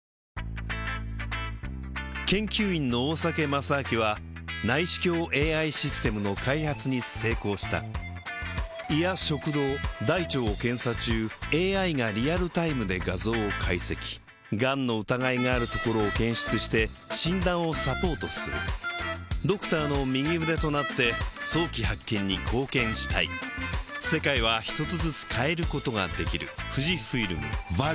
研究員の大酒正明は内視鏡ＡＩシステムの開発に成功した胃や食道大腸を検査中ＡＩがリアルタイムで画像を解析がんの疑いがあるところを検出して診断をサポートするドクターの右腕となって早期発見に貢献したいあと１周！